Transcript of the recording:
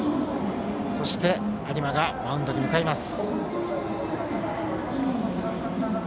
そして、有馬がマウンドに向かいます。